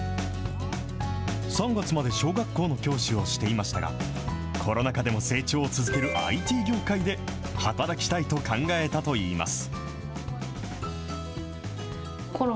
３月まで小学校の教師をしていましたが、コロナ禍でも成長を続けるＩＴ業界で働きたいと考えたといいます。